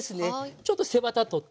ちょっと背ワタ取って。